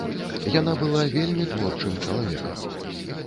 Яна была вельмі творчым чалавекам.